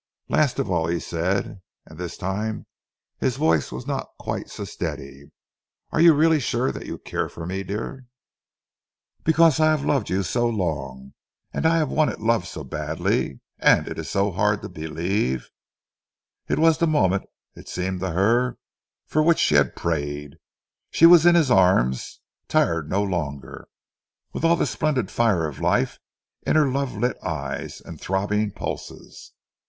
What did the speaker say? "Last of all," he said, and this time his voice was not quite so steady, "are you really sure that you care for me, dear, because I have loved you so long, and I have wanted love so badly, and it is so hard to believe " It was the moment, it seemed to her, for which she had prayed. She was in his arms, tired no longer, with all the splendid fire of life in her love lit eyes and throbbing pulses.